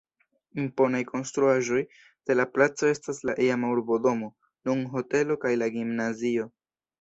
Imponaj konstruaĵoj de la placo estas la iama urbodomo, nun hotelo kaj la gimnazio.